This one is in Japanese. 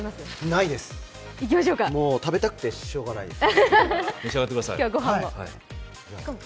ないです、もう食べたくてしょうがないです。